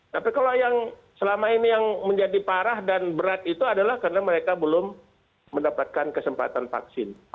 tapi kalau yang selama ini yang menjadi parah dan berat itu adalah karena mereka belum mendapatkan kesempatan vaksin